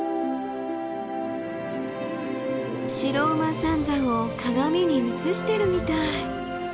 白馬三山を鏡に映してるみたい。